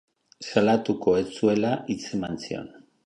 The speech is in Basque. Salatuko ez zuela hitzeman zion.